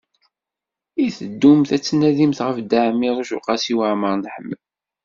I teddumt ad d-tnadimt ɣef Dda Ɛmiiruc u Qasi Waɛmer n Ḥmed?